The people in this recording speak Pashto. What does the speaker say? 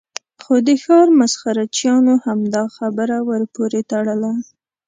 خو د ښار مسخره چیانو همدا خبره ور پورې تړله.